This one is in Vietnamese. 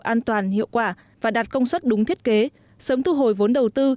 an toàn hiệu quả và đạt công suất đúng thiết kế sớm thu hồi vốn đầu tư